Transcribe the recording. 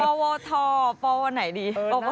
ปวทปวไหนดี